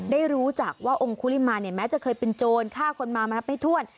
ได้รู้จักว่าองค์คุลิมาเนี่ยแม้จะเคยเป็นโจรฆ่าคนมามานับไม่ถ้วน